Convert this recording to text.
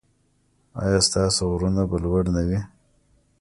ایا ستاسو غرونه به لوړ نه وي؟